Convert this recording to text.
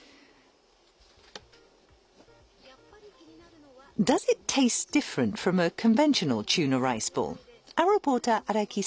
やっぱり気になるのはその味。